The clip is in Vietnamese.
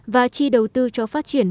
và chi đầu tư cho phát triển văn hóa